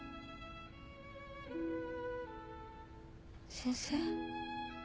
先生。